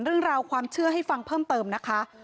เรื่องราวความเชื่อให้ฟังเพิ่มเติมนะคะ